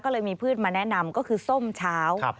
ก็เลยมีพืชมาแนะนำก็คือส้มเช้า